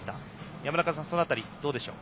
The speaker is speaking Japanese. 山中さん、その辺りはどうでしょう。